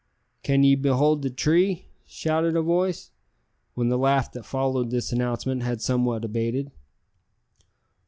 "Can ye 'behold' the tree?" shouted a voice, when the laugh that followed this announcement had somewhat abated.